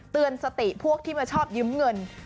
เตือนสติพวกที่มาชอบยืมเงิน